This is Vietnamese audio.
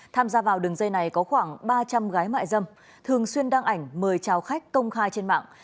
tham gia vào đường dây này có khoảng ba trăm linh gái mại dâm thường xuyên đăng ảnh mời chào khách công khai trên mạng